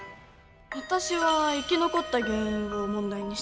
私は生き残った原因を問題にしたね。